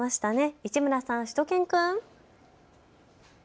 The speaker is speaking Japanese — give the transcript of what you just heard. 市村さん、しゅと犬くん。